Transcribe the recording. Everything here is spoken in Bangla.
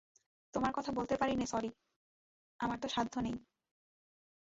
তোমার কথা বলতে পারি নে সরি, আমার তো সাধ্য নেই।